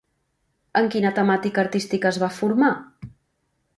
En quina temàtica artística es va formar?